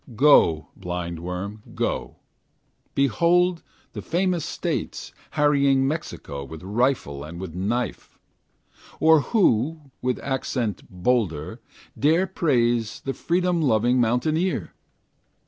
Go, blindworm, go, Behold the famous States Harrying Mexico With rifle and with knife! Or who, with accent bolder, Dare praise the freedom loving mountaineer?